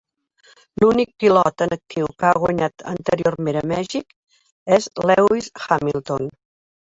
L'únic pilot en actiu que ha guanyat anteriorment a Mèxic és Lewis Hamilton.